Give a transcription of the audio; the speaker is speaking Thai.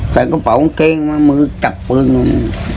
ใส่กระเป๋าเก้งมามือจับปืน